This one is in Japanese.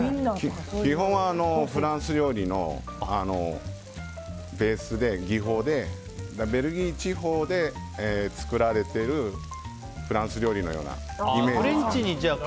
基本は、フランス料理のベース、技法でベルギー地方で作られているフランス料理のようなイメージで。